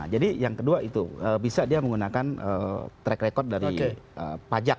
jadi yang kedua itu bisa dia menggunakan track record dari pajak